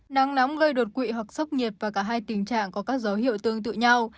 nắng nóng gây đột quỵ hoặc sốc nhiệt và cả hai tình trạng có các dấu hiệu tương tự nhau